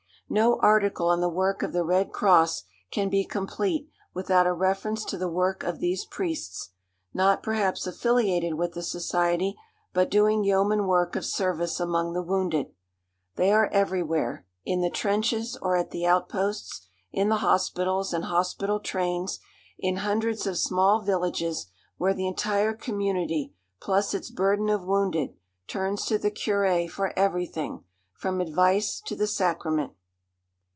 No article on the work of the Red Cross can be complete without a reference to the work of these priests, not perhaps affiliated with the society, but doing yeoman work of service among the wounded. They are everywhere, in the trenches or at the outposts, in the hospitals and hospital trains, in hundreds of small villages, where the entire community plus its burden of wounded turns to the curé for everything, from advice to the sacrament.